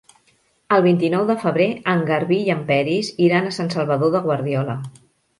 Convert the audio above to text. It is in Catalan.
El vint-i-nou de febrer en Garbí i en Peris iran a Sant Salvador de Guardiola.